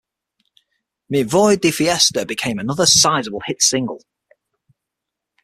"Me Voy De Fiesta" became another sizable hit single.